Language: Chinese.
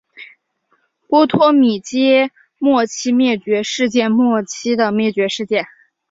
波托米阶末期灭绝事件末期的灭绝事件。